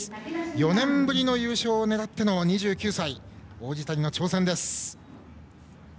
４年ぶりの優勝を狙っての２９歳、王子谷の挑戦です。